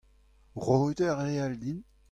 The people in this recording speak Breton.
Roit ar re all din.